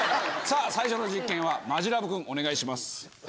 さぁ最初の実験はマヂラブ君お願いします。